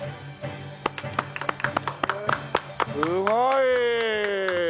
すごい！